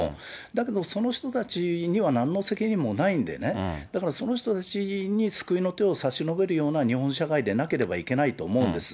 だけども、その人たちにはなんの責任もないんでね、だからその人たちに救いの手を差し伸べるような日本社会でなければいけないと思うんです。